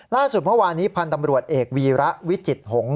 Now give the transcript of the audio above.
เมื่อวานี้พันธ์ตำรวจเอกวีระวิจิตหงษ์